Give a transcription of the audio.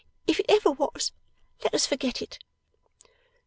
If it ever was, let us forget it.